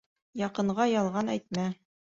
Яҡынға ялған әйтмә